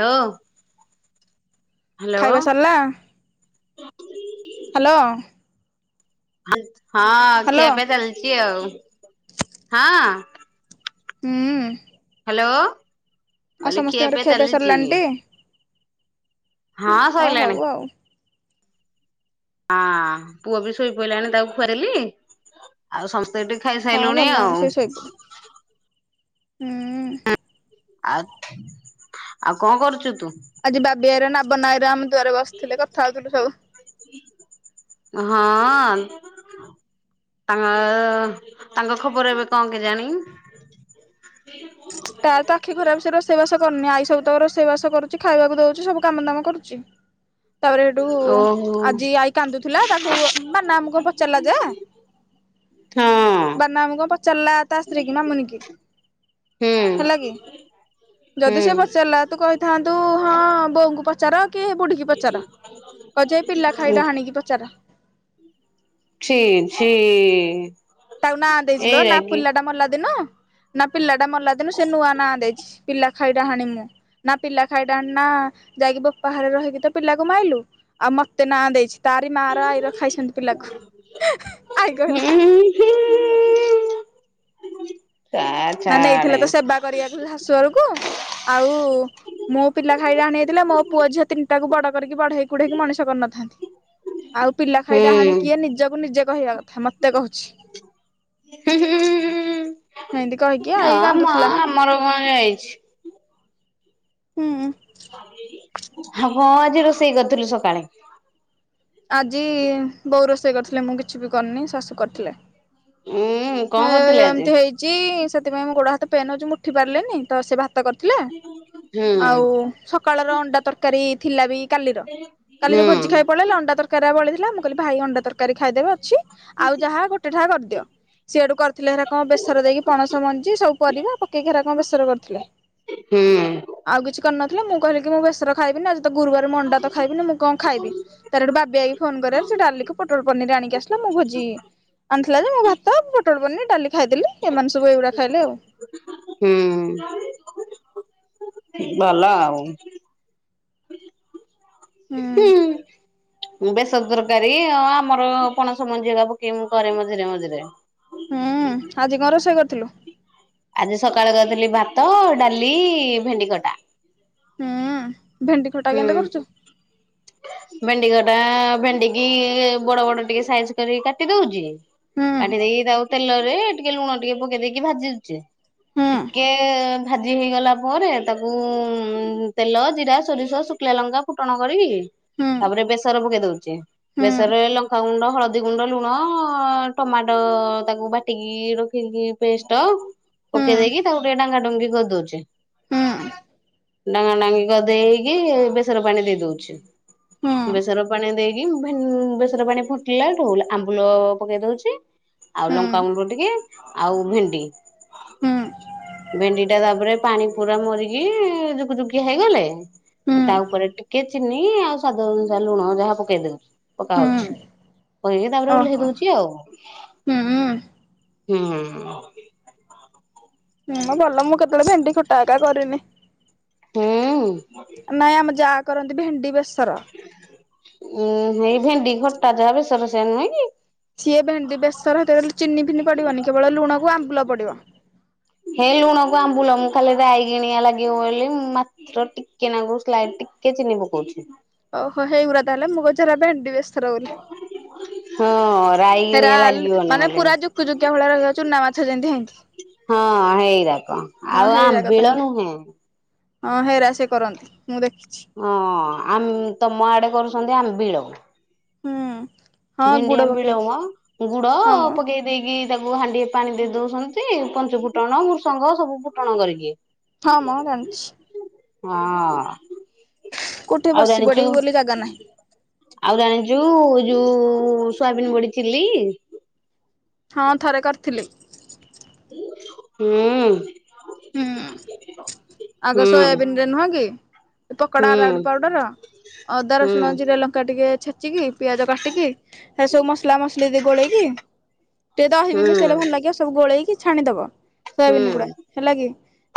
ଲୋ। ଖାଇବା ସାରିଲା ହ୍ୟାଲୋ? ହଁ ହ୍ୟାଲୋ ଖିଆ ପିଆ ଚାଲିଛି ଆଉ ହଁ। ହୁଁ। ହ୍ୟାଲୋ ଆଉ କଲେ ଖିଆ ସମସ୍ତଙ୍କର ପିଆ ଖିଆପିଆ ଚାଲିଛି। ସରିଲାଣି ଟି ହଁ ହଉ ସୋଇଲଣି। ହଉ ଆଉ ହଁ ପୁଅ ବି ଶୋଇ ପଡ଼ିଲାଣି ତାକୁ ଖୁଆରିଲି ଆଉ ସମ ସେଠି ହଁ ଖାଇସାରିଲୁଣି ଭଲ ହେଟା ଆଉ ସେ ଶୋଇପଡୁ ହୁଁ ଆଉ ଆଉ କଣ କରୁଛୁ ତୁ ଆଜି ବାବି ଆଇରେ ନା ବ ନାଇରେ ଆମ ଦୁଆରେ ବସିଥିଲେ କଥା ହଉଥିଲୁ ସବୁ ହଁ ତାଙ୍କ ଖବର ଏବେ କଣ କେ ଜାଣି ତାର ତ ଆଖି ଖରାପ ସେ ରୋଷେଇ ବାସ କରନି ଆଇ ସବୁ ତକ ରୋସେଇବାସ କରୁଛି ଖାଇବାକୁ ଦଉଛି ସବୁ କାମ ଦାମ କରୁଛି ତାପରେ ସେଠୁ ଓହୋ ଆଜି ଆଈ କାନ୍ଦୁଥିଲା ତାକୁ ମାନା ଆମକୁ କଣ ପଚାରିଲା ଯେ ହଁ ବାନା ମୁ କଣ ପଚାରିଲା ତା ସ୍ତ୍ରୀ କି ମାମୁନି କି ହୁଁ ହେଲା କି ଯଦି ସେ ପଚାରିଲା ତୁ କହିଥାନ୍ତୁ ହଁ ବୋଉଙ୍କୁ ପଚାର କେଏ ବୁଢିକି ପଚାର କଜେଇ ପିଲା ହୁଁ ଖାଇ ଡ଼ାହାଣିକି ପଚାର ଛି ଛି ତାକୁ ନାଁ ଦେଇିଲ ନା ପିଲା ଟା ମଲା ଦିନ ନା ପିଲା ଟା ମଲାଦିନୁ ସେ ନୂଆ ନାଁ ଦେଇଛି ପିଲା ଖାଇଟା ଡାହଣି ମୁଁ ନା ପିଲା ଖାଇ ଡ଼ାହଣି ନା ଯାଇକି ବୋପା ଘରେ ରହିକି ତ ପିଲାକୁ ମାଇଲୁ ଆଉ ମତେ ନାଁ ଦେଇଛି ତାରି ମା ର ଆଇର ଖାଇଛନ୍ତି ପିଲାକୁ ଆଈ କହିଲା ଏଇରାଗି ନା ନେଇଥିଲେ ଛାଡେ ତ ସେବା କରିବାକୁ ଶାଶୁଘରକୁ ଆଉ ମୁଁ ପିଲା ଖାଇ ଡାଆଣି ହେଇ ଥିଲେ ମୋ ପୁଅ ଝିଅ ତିନିଟା କୁ ବଡ କରିକି ବଢେଇି କୁଢେଇକି ମଣିଷ କରିନଥାନ୍ତି ଆଉ ପିଲା ଖାଇ ଡାହାଣି ହୁଁ। କିଏ ନିଜକୁ ନିଜେ କହିବା କଥା ମତେ କହୁଛି ହୁଁ ହୁଁଁଁ ହଁ ହଁ ମ ଆମର କଣ ଯାଇଛି ହୁଁ ଆ ହଁ ଆଜି ରୋଷେଇ କରିଥିଲୁ ସକାଳେ ଆଜି ବୋଉ ରୋଷେଇ କରିଥିଲେ ମୁଁ କିଛି ବି କରିନି ଶାଶୁ କରିଥିଲେ ହୁଁ କଣ ମୁଁ କରିଥିଲେ ଆଜି? ଏମିତି ହେଇଛି ସେ ସେଥିପାଇଁ ଗୋଡ଼ ହାତ ପେନ୍ ଅଉଛି ଉଠୀ ପାରିଲିନି ତ ସେ ଭା କରିଥିଲା ହୁଁ ଆଉ ସକାଳର ଅଣ୍ଡା ତରକାରୀ ଥିଲା ବି କାଲିର କାଲି ହୁଁ ଯୋଉ ଭୋଜି ଖାଇ ପଡେଇ ଅଣ୍ଡା ତରକାରୀ ବଳି ଥିଲା ମୁଁ କହିଲି ଭାଇ ଅଣ୍ଡା ତରକାରୀ ଖାଇଦେବେ ଅଛି ଆଉ ଯାହା ଗୋଟେଟା କରିଦିଅ ସିଏଆଡୁ କରିଥିଲେ ହେରା କଣ ବେସର ଦେଇକି ପଣସ ମଞ୍ଜି ସବୁ କର ଆଉ ପକେଇକି ହେରା କଣ ବେସର କରିଥିଲେ ହଁ ଆଉ କିଛି କରିନ ମୁଁ କହିଲି ମୁଁ ଭେସର ଖାଇବିନି ଆଜି ତ ଗୁରୁବାର ମଣ୍ଡା ତ ଖାଇବି ମୁଁ କଣ ଖାଇବି ତାର ବା ଫୋନ କରିବା ସେ ଡାଲ ପଟ ପନିର ଆଣିକି ଆିଲ ମୁଁ ଭୋଜି ଆଣିଥିଲା ଯେ ମୁଁ ଭାତ ବଟର ପନିର ଡାଲି ଖାଇଦେଲି ଏମାନେ ସବୁ ଏଇଗୁଡା ଖାଇଲେ ଆଉ ହୁଁ ଭଲ ଆଉ ହୁଁ ବେସ ତରକାରୀ ଆ ଆମର ପଣସ ମଞ୍ଜିିକା ପକେଇ ମୁ କରେ ମଝିରେ ମଝିରେ ହୁଁ ଆଜି ଘଣ ରଷୋଇ କରିଥିଲୁ ଆଜି ସକାଳେ କରିଥିଲି ଭାତ ଡାଲି ଭେଣ୍ଡି କଟା ହୁଁ ଭେଣ୍ଡି ଖଟା କେନ୍ତାେ କରୁଛୁ ଭେଣ୍ଡି କ ଟା ଭେଡିିକି ବଡ ବଡ ଟିକେ ସାଇଜ କରିକି କାଟି ଦଉଛି ହୁଁ କାଟିଦେଇକି ତାକୁ ତେଲରେ ଟିକେ ଲୁଣ ଟିକେ ପକେଇ ଦେଇକି ଭାଜିଦଉଛି ହୁଁ । ଟିକେ ଭାଜି ହେଇଗଲା ପରେ ତାକୁ ତେଲ ଜିରା ସୋରିସ ଶୁଖିଲା ଲଙ୍କା ଫୁଟଣ କରିବି ହୁଁ ତାପରେ ବେସର ଦେଇ ଦଉଛି ହୁଁ ବେସରରେ ଲଙ୍କାଗୁଣ୍ଡ ହଳଦୀ ଗୁଣ୍ଡ ଲୁଣ ଟମାଟୋ ତାକୁ ବାଟି କି ରଖିକି ପେଷ୍ଟ ହୁଁ ପକେଇ ଦେଇକି ତାକୁ ଟିକେ ଡାଙ୍ଗା ଡଙ୍ଗି ଦଉଛି ହୁଁ ଡାଙ୍ଗା ଡାଙ୍ଗି କରିଦେଇକି। ବେସର ପାଣି ଦେଇ ଦଉଛି ହୁଁ ବେସର ପାଣି ଦେଇକି ବେସର ପାଣି ଫୁଟିଲାଠୁ ଆମ୍ବୁଲ ପକେଇ ଦଉଛି। ଆଉ ହୁଁ ଲଙ୍କାଗୁଣ୍ଡ ଟିକେ ଆଉ ଭେଣ୍ଡି ହୁଁ ଭେଣ୍ଡି ଟା ତାପରେ ପାଣି ପୁରା ମରିକି ଜୁକୁ ଜୁକିଆ ହେଇଗଲେ। ହୁଁ ତା ଉପରେ ଟିକେ ଚିନି ଆଉ ସ୍ୱାଦ ଅନୁସାରେ ଲୁଣ ଯାହା ପକେଇଦଉ ପକା ହୁଁ ହଉଛି। କହିକି ତାପରେ ଓହ୍ଲେଇ ଓହୋ ଦଉଛି ଆଉ। ହୁଁ ହୁଁ ହୁଁ ହଁ। ହୁଁ ଭଲ ମୁଁ କେତେବେଳେ ଭେଣ୍ଡି ଖଟା ହେକା କରିନି। ହୁଁ ଉଁ। ନାଇଁ ଆମ ଯାଆ କରନ୍ତି ଭେଣ୍ଡି ବେସର। ଉଁ ଏଇ ଭେଣ୍ଡି ଖଟା ଯାହା ବେଶର ସେୟା ନୁହେଁ କି? ସିଏ ଭେଣ୍ଡି ବେଶର ହେଥିରେ ଚିନି ଫିନି ପଡିବନି କେବଳ ଲୁଣକୁ ଆମ୍ବୁଲ ପଡିବ। ହେ ଲୁଣ କୁ ଆମ୍ବୁଲ ମୁଁ ଖାଲି ରାଇ କିିଣଆ ଲାଗିବ ବୋଲି ମାତ୍ର ଟିକେ ନଗୁ ସ୍ଲାଇଟ। ଟିକେ ଚିନି ପକଉଛି। ଓହୋ ହେଇଗୁର ତାହେଲେ ମୁଁ କହୁଛି ହେରା ଭେଣ୍ଡି ବେସର ବୋଲି। ହଁ ରାଇଗିଣିଆ ହେରାଲ ଲାଗିବନି ମାନେ ମତେ ପୁରା ଜୁକ୍ ଜୁକିଆ ଭଳିଆ ଚୁନା ମାଛ ଯେମତି ହେମତି। ହଁ ହେଇରାକ ଆଉ ହେଇରାକ ଆମ୍ବିଳ ତାହେଲେ ନୁହେଁ। ହଁ ହେଇରା ସେ କରନ୍ତି। ମୁଁ ଦେଖିଛି ହଁ ଆମ ତମ ଆଡେ କରୁଛନ୍ତି ଆମ୍ବିଳ। ହୁଁ। ହଁ ଭେଣ୍ଡିଆ ଗୁଡ ଆମ୍ବିଳ ପକେଇକି ମ ଗୁଡ ହଁ ମ ପକେଇ ଦେଇକି ତାକୁ ହାଣ୍ଡିଏ ପାଣି ଦେଇ ଦଉଛନ୍ତି ପଞ୍ଚ ଫୁଟଣ ଭୃସଙ୍ଗ ସବୁ ଫୁଟଣ କରିକି। ହ ମ ଜାଣିଛି। ହଁ। କୋଉଠି ଆଉ ବସି ଜାଣିଛୁ ପଡିବି ବୋଲି ଜାଗା ନାହିଁ ଆଉ ଜାଣିଛୁ ଯୋଉ ସୋୟାବିନ୍ ବଡି ଚିଲି। ହଁ ଥରେ କରିଥିଲି। ହୁଁ ଉଁ। ହୁଁ ଆଗ ହୁଁ ସୋୟାବିନ ରେ ନୁହଁ କି। ପକୋଡା ହୁଁ [unintelligible] ପାଉଡର। ଅଦା ହୁଁ ରସୁଣ ଜିରା ଲଙ୍କା ଟିକେ ଛେଚିକି ପିଆଜ କାଟିକି ସେ ସବୁ ମସଲା ମସଲିି ଗୋଳେଇକି ଟିକେ ଦହି ବି ହୁଁ ମିସେଇଲେ ଭଲ ଲାଗିବ ସବୁ ଗୋଳେଇକି ଛାଣିଦବ ହୁଁ ସୋୟାବିନ୍ ଗୁଡା ହେଲା କି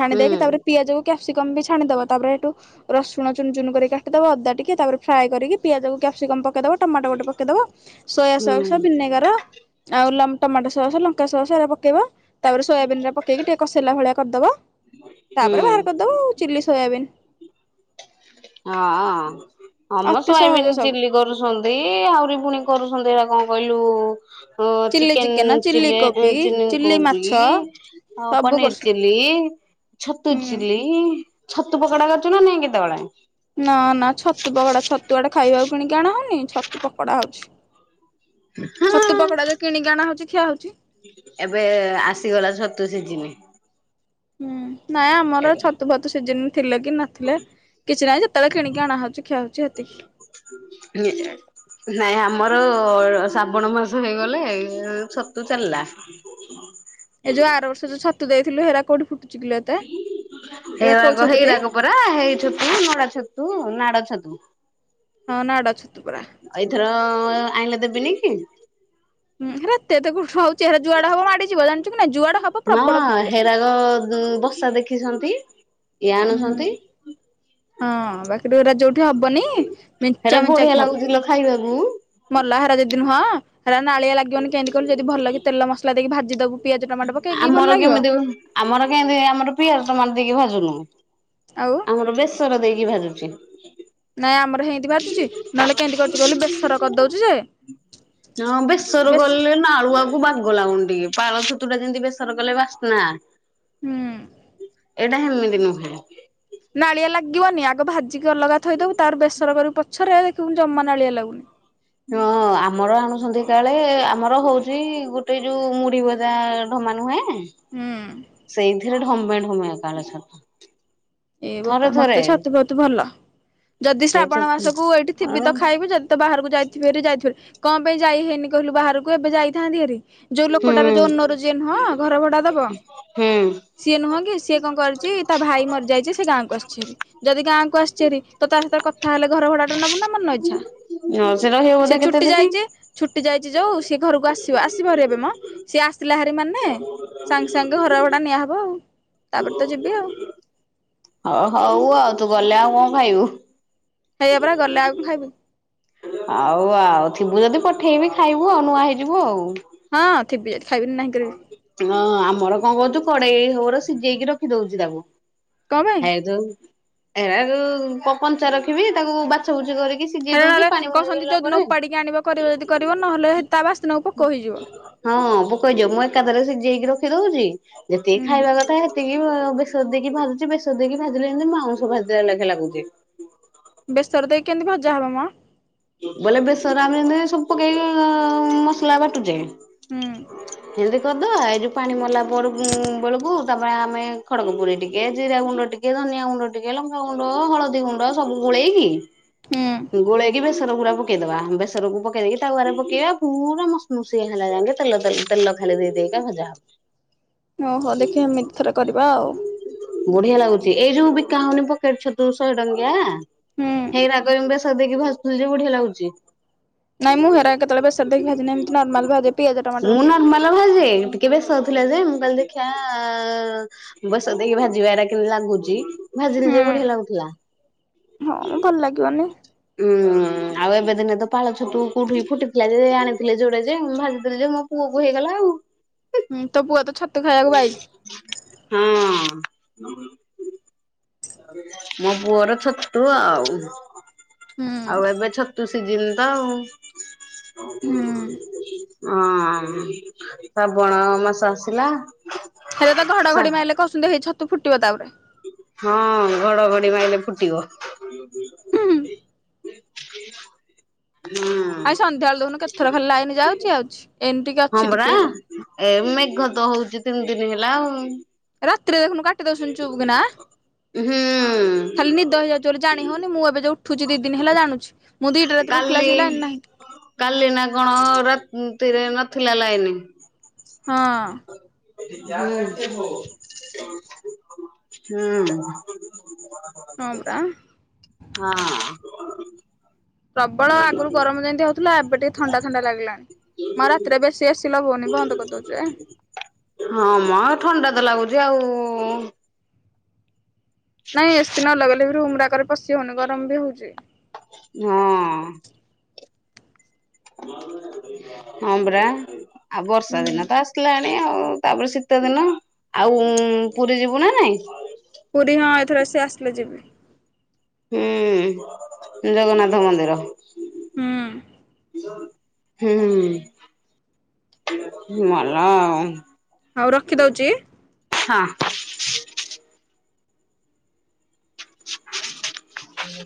ଛାଣି ହୁଁ ଦେଇକି ତାପରେ ପିଆଜ କ୍ୟାପସିକମ୍ ବି ଛାଣିଦବା ତାପରେହେଠୁ ରସୁଣ ଚୁନ ଚୁନ କରି କାଟିଦବା ଅଦା ଟିକେ ତାରେ ଫ୍ରାଏ କରିକି ପିଆଜକୁ କ୍ୟାପସିକମ ପକେଇଦବା ଟମାଟୋ ଗୋଟେ ପକେଇଦବ ସୋୟା ହୁଁ ସକ୍ସ ଭିନେଗର ଆଉ ଲ ଟମାଟୋ ସସ୍ ଲଙ୍କା ସସ୍ ଏରା ପକେଇବ ତାପରେ ସୋୟାବିନ୍ ରା ପକେଇକି ଟିକେ କଷି ସଲା ଭଳିଆ କରିଦବା ତାପରେ ହୁଁ ବାହାର କରିଦବ ଆଉ ଚିଲ୍ଲି ସୋୟାବିନ୍। ହଁ। ହମ ଅତି ସହଜ ସୋୟାବିନ ସବୁ। ଚିଲି କରୁଛନ୍ତି ଆହୁରି ପୁଣି କରୁଛନ୍ତି ହେଇରା କଣ କହିଲୁ? ଅ ଚିଲି ଚିକେନ୍ ଚିକେନ ଚିଲି ଚଲେ କୋବି ଚିଲୀ ଚିଲି କୋବି ମାଛ ଆଉ ସବୁ ପନୀର୍ କରୁଛୁ ଚିଲ୍ଲି। ଛତୁ ହୁଁ। ଚିଲି ଛତୁ ପକୋଡା କରୁଛୁ ନା ନାଇଁ କେତେବେଳେ? ନା ନା ଛତୁ ପକୋଡା ଛତୁ ଆଡେ ଖାଇବାକୁ କିଣିଆଣା ହଉନି ଛତୁ ପକୋଡା ହଉଛି। ହଁ ଛତୁ ପକୋଡା ଯୋଉ କିଣିକି ଆଣା ହଉଛି ଖିଆ ହଉଛି। ଏବେ ଆସିଗଲା ଛତୁ ସିଜିନି। ହୁଁ ନାଇଁ ଆମର ଛତୁ ଫତୁ ସିଜିନ ଥିଲେ କି ନଥିଲେ କିଛି ନାହିଁ ଯେତେବେଳେ କିଣିକି ଅଣାହଉଛି ଖିଆ ହଉଛି ସେତିକି ନାଇଁ ଆମର ଆ ଶ୍ରାବଣ ମାସ ହେଇଗଲେ ଛତୁ ଚାଲିଲା ଏ ଯୋଉ ଆର ବର୍ଷ ଯୋଉ ଛାତୁ ଦେଇଥିଲୁ ସେରା କୋଉଠି ଫୁଟୁଛି କିଲୋ ଏତେ ଏରା କୋଉ ହେଇରାଗ ଛତୁଟି? ହେଇରାକ ପୁରରା ହେଇ ଛତୁ ନଡ ଛତୁ ନାଡ ଛତୁ ହଁ ନାଡ ଛତୁ ପରା। ଏଇଥର ଆଣିଲେ ଦେବିନି କି ହଁ ରାତି ତ କଉ ଚେହେରା ଯୁଆଡ ହବ ମାଡିଯିବ ଜାଣିଛୁ କି ନା ଯୁଆଡ ହବ ହଁ ପ୍ରବଳ ଫୁଟିବ ହେରାକ ଇ ହୁଁ ଆଣୁଛନ୍ତି ହଁ ବାକି ରାଜ ଯୋଉଠି ହବନି ମିଞ୍ଚା ହେରା ମିଞ୍ଚା ବଢିଆ କି ହବ ଲାଗୁଛି ଲୋ ଖାଇବାକୁ। ମଲଲାହାର ଯଦି ନୁହଁରା ନାଳିଆ ଲାଗିବନି କେମିତି କଲୁ ଯଦି ଭଲ କିି ତଲ ମସଲା ଦେଇକି ଭାଜିଦବୁ ପିଆଜ ଟମାଟୋ ପକେଇକି ଭଲ ଆମର ଲାଗିବ କେମିତି ଆମର କେମତି ଆମର ପିଆଜ ଟମାାର ଦେଇକି ଭାଜୁନୁ ଆଉ ଆମର ବେଶର ଦେଇକି ଭାଜୁଛି ବାଜୁଛି ନହେଲେ କେମିତି କରୁଛି କହ ବେସର କରିଦଉଛି ଯେ ହଁ ବେସର ବେସ ଗଲେ ନା ଆଳୁଆକୁ ବାଗଲା ଗୁଣ୍ଡି ପାଳ ଛତୁ ଟା ଯେମତି ବେସର କଲେ ବାସ୍ନା ହୁଁ ଏଇଟା ସେମିତି ଦିନହ ନାଳିଆ ଲାଗିବନି ଆଗ ଭାଜିକି ଅଲଗା ଥୋଇଦବୁ ତାର ବେସର କରି ପଛରେ ଜମମାନ ନା ଆଳିଆ ଲାଗୁନି ହଁ ଆମର ଆଣୁ ସନ୍ଧ କାଳେ ଆମର ହଉଛି ଗୋଟେ ଯୋଉ ମୁଡିିବ ତାା ନୁହେଁ ହୁଁ ସେଇଥିରେ ଢମେ ଢମେ କାଳ ଛଟ ଏ ବାପା ମତେ ଛାତ ବାତି ଭଲ ଯଦି ଶ୍ରାବଣ ହେଇଥ ମାସକୁ ଏଇଠି ଥିବି ତ ଆଉ ଖାଇବି ଯଦି ତ ବାହାରକୁ ଯାଇଥିବ ଯାଇଥିବ କଣ ପାଇଁ ଯାଇ ହେଇନି କହିଲୁ ବାହାରକୁ ଏବେ ଯାଇଥାନ୍ତି ହେରି ଯୋଉ ହୁଁ ଲୋକଟାର ଯୋଉ ନରୁଜନ୍ ହଁ ଘର ଭଡା ଦବ ହୁଁ ସିଏ ନୁହଁ କି ସିଏ କଣ କରଛି ତା ଭାଇ ମରି ଯାଇ ଗାଁକୁ ଆସିଛରି ଯଦି ଗାଁକୁ ଆସିଚରି ତାର ସାହିତରେ କଥା ହେଲେ ଘର ଭୋଡା ଟା ନବୁ ନା ମନେ ଇଛା ନର୍ସ ରହିବ ସେ ବୋଧେ କେତେ ଛୁଟି ଦିନି? ଯାଇଛ ଛୁଟି ଯାଇଛି ଯୋ ସି ଘରକୁ ଆସିବ ଆସିବାରୁ ଏବେ ମ ସିଏ ଆସିଲା ହାରି ମାନେ ସାଙ୍ଗେ ସାଙ୍ଗେ ଘର ଭଡା ନିଆହବ ଆଉ ତାପରେ ତ ଯିବି ଆଉ ହଉ ହଉ ଆଉ ତୁ ଗଲେ ଆଉ କଣ ଖାଇବୁ। ହେଇଆ ପରା ଗଲେ ଆଉ କ ଖାଇବି। ଆଉ ଆଉ ଥିବୁ ଯଦି ପଠେଇବି ଖାଇବୁ ଆଉ ନୂଆ ହେଇଯିବୁ ଆଉ। ହଁ ଥିବି ଯ ହଁ ଆମର କଣ କହୁଛୁ କଢେଇ ହବର ସିଝେଇକି ରଖି ଦଉଛି ତାକୁ। କଣ ପାଇଁ ଏ ଯଉ ଏଟା ଯଉ କଞ୍ଚା ରଖିବି ତାକୁ ବାଛ ବୁଛି କରିକି। ସିଝେଇ ହେଲେ ଦଉଛି ନହେଲେ ପାଣି କହୁଛନ୍ତି ମରିଗଲା ଯୋଉଦିନ ପରେ। ଉପାଡିକି ଆଣିବ କରିବ ଯଦି କରିବ ନହେଲେ ତା ବାସିଦିନକୁ ପୋକ ହେଇଯିବ। ହଁ ପୋକ ହେଇଯିବ ମୁଁ ଏକାଥରେ ସିଝେଇକି ରଖି ଦଉଛି ଯେତିକି ହୁଁ ଖାଇବା କଥା ସେତିକି ବ ବେ ର ଦେଇକି ଭାଜୁଛି ବେଶର ଦେଇକି ଭାଜିଲେ ଏମିତି ମାଉଁସ ଭାଜିଲା ଲେଖା ଲାଗୁଛି। ବେସର ଦେଇକି କେମିତି ଭଜା ହବ ମ। ବୋଲେ ବେସର ଆମେ ଯେମତି ସବୁ ପକେଇକି ଅମ ମସଲା ବାଟୁଚେ। ହୁଁ କେମ କରିଦବା ଏ ଯଉ ପାଣି ମରଲା ପରକୁ ବେଳକୁ ତାପରେ ଆମେ ଖଡ଼ଗ ପୁରୀ ଟିକେ ଜିରା ଗୁଣ୍ଡ ଟିକେ। ଧନିଆ ଗୁଣ୍ଡ ଟିକେ ଲଙ୍କା ଗୁଣ୍ଡ ହଳଦୀ ଗୁଣ୍ଡ ସବୁ ଗୋଳେଇକି ହୁଁ ଗୋଳେଇ ବେସର ଗୁରା ପକେଇଦବା ବେସରକୁ ପକେଇ ଦେଇକି ତାୱାରେ ପକେଇବା ପୁରା ମୁସମୁସିଆ ହେଲା ଯାଏଁ କେ ତେଲ ତେ ତେଲ। ଖାଲି ଦେଇ ଦେଇ କା ଭଜା ହବ। ଓହୋ ଦେଖିବା ଏମିତି ଥରେ କରିବା ଆଉ। ବଢିଆ ଲାଗୁଛିି ଏଇ ଯୋଉ ବିକା ହଉନି ପକେଟ ଛତୁ ଶହେ ଟଙ୍କିଆ ହୁଁ ହେଇ ରାଗ ବେଶ ଦେଇକି ଭାଜୁଥିଲି ଯୋଉ ବଢିଆ ଲାଗୁଛି। ନାଇଁ ମୁଁ ହେରା କେତେବେଳେ ବେସର ଦେଖି ଭାଜିିନି ଏମତି ନର୍ମାଲ ଭାଜେ ପିଆଜ, ଟମାଟୋ ପକେଇକି। ଥିଲେ ଯେ ମୁଁ କହିଲି ଦେଖିଆ ବେସର ଦେଇକି ଭାଜିବା ଏରା କେମିତି ଲାଗୁଚି? ଭାଜି ହୁଁ ନିଜେ ବଢିଆ ଲାଗୁଥିଲା। ହଁ ଭଲ ଲାଗିବନି ହୁଁ ଆଉ ଏବେ ଦିନେ ତ ପାଳ ଛତୁ କୋଉଠି ଫୁଟିଥିଲା ଯେ ଆଣିଥିଲେ ଯୋଡେ ଯେ ଭାଜିଥିଲି ଯେ ମୋ ପୁଅକୁ ହେଇଗଲା ଆଉ। ହୁଁ ତ ପୁଅ ତ ଛ ହଁ। ମୋ ପୁଅର ଛତୁ ଆଉ ହୁଁ ଆଉ ଏବେ ଛତୁ ସିଜିନ ତ ଆଉ। ହୁଁ ହଁ ଶ୍ରାବଣ ମାସ ଆସିଲା। ହେଲେ ତ ଘଡଘଡି ଶ୍ରା ମାଇଲେ କହୁଛନ୍ତି ହେଇ ଛତୁ ଫୁଟିବ ତାପରେ। ହଁ ଘଡଘଡି ମାଇଲେ ଫୁଟିବ। ହୁଁ ହୁଁ [inaudible] ଆଇ ସନ୍ଧ୍ୟା ବେଳେ ଦେଖୁନୁ କେତ ଥର ଖାଲି ଲାଇନ ଯାଉଛି ଆଉଛି ଏନି ଟିକେ ହଁ ଅଛି ପରା ଟିକେ ହେଲା। ଏ ମେଘ ତ ହଉଛି ତିନି ଦିନ ହେଲା ଆଉ। ରାତିରେ ଦେଖୁନୁ କାଟି ଦଉଛନ୍ତି ଚୁପ୍ କିନା। ହୁଁ ଖାଲି ନିଦ ହେଇଯାଉଛି ବୋଲି ଜାଣି ହଉନି ମୁଁ ଏବେ ଯୋଉ ଉଠୁଛି ଦି ଦିନ ହେଲା ଜାଣୁଛି ମୁଁ ଦିଟା ରାତିରୁ ଉଠିଲା କାଲି ଆସିକି ଲାଇନ୍ ନାହିଁ। କାଲି ନା କଣ ରାତିରେ ନଥିଲା ଲାଇନ। ହଁ। ହୁଁ ହୁଁ। ହଁ ପରା ହଁ। ପ୍ରବଳ ଆଗରୁ ଗରମ ଯେମିତି ହଉଥିଲା ଏବେ ଟିକେ ଥଣ୍ଡା ଥଣ୍ଡା ଲାଗିଲାଣି। ମୁଁ ଆଉ ରାତିରେ ବେଶୀ ଏସି ଲଗଉନି ବନ୍ଦ କରିଦଉଚି। ହଁ ମ ଥଣ୍ଡା ତ ଲାଗୁଚି ଆଉ। ନାଇଁ ଏସି ନ ଲଗେଇଲେ ବି ରୁମ ରା ପଶି ହଉନି ଗରମ ବି ହଉଚି। ହଁ। ହଁ ପରା ଆଉ ହୁଁ ବର୍ଷା ଦିନ ତ ଆସିଲା ଭି ଆଉ ତାପରେ ଶୀତ ଦିନ ଆଉ ପୁରୀ ଯିବୁ ନା ନାଇଁ? ପୁରୀ ହଁ ଏଇଥର ସେ ଆସିଲେ ଯିବି। ହୁଁ ଜଗନ୍ନାଥ ମନ୍ଦିର। ହୁଁ। ହୁଁ, ହୁଁ ମଲା ଆଉ। ହଉ ରଖିଦଉଚି। ହଁ। [inaudible]